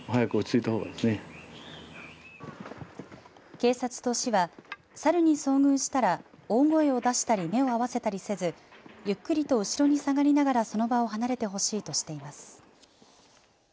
警察と市はサルに遭遇したら大声を出したり目を合わせたりせずゆっくりと後ろに下がりながらその場を離れてほしいとしています。